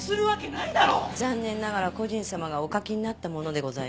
残念ながら故人様がお書きになったものでございます。